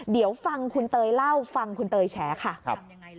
เดี๋ยวฟังคุณเตยเล่าฟังคุณเตยแฉค่ะครับ